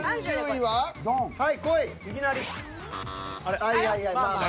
はい。